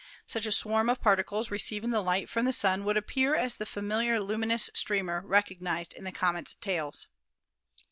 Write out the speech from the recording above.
Such a swarm of particles receiving the light from the Sun would appear as the familiar luminous streamer recognised in the comets' tails.